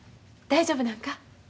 大丈夫なんか？